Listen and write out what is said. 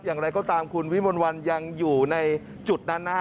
อย่างไรก็ตามคุณวิมลวันยังอยู่ในจุดนั้นนะฮะ